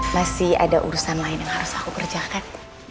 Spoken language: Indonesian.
masih ada urusan lain yang harus aku kerjakan